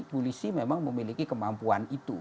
polisi memang memiliki kemampuan itu